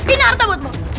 ini harta buatmu